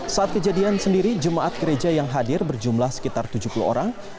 saat kejadian sendiri jemaat gereja yang hadir berjumlah sekitar tujuh puluh orang